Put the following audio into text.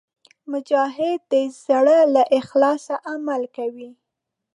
مجاهد د زړه له اخلاصه عمل کوي.